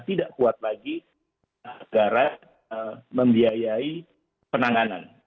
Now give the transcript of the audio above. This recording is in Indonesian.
tidak kuat lagi negara membiayai penanganan